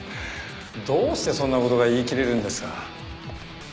どうしてそんな事が言いきれるんですか。